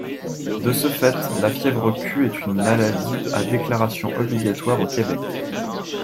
De ce fait, la fièvre Q est une maladie à déclaration obligatoire au Québec.